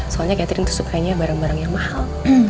soalnya catherine itu sukanya barang barang yang mahal